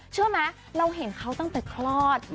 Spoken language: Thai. เชื่อไหมเราเห็นเขาตั้งแต่คลอด